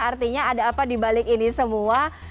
artinya ada apa dibalik ini semua